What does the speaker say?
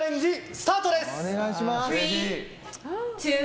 スタートです。